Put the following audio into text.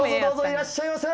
いらっしゃいませ！